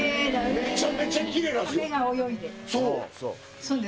めちゃめちゃきれいなんですよ。